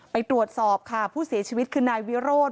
ไปตรวจสอบค่ะผู้เสียชีวิตคือนายวิโรธ